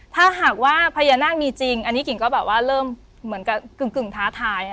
ถ้าหากว่าพญานาคมีจริงอันนี้กิ่งก็แบบว่าเริ่มเหมือนกับกึ่งท้าทาย